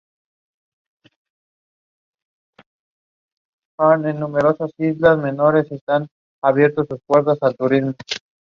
Jost Van Dyke y numerosas islas menores están abriendo sus puertas al turismo.